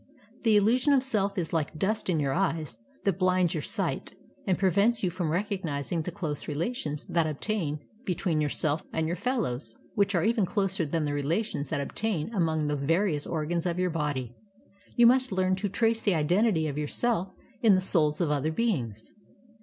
The illusion of self is Hke dust in your eye that blinds your sight and prevents you from recognizing the close rela tions that obtain between yourself and your fellows, which are even closer than the relations that obtain among the various organs of your body. You must learn to trace the identity of your self in the souls of other beings.